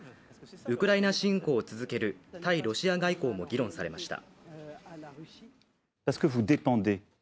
ウクライナ侵攻を続ける対ロシア外交も議論されました。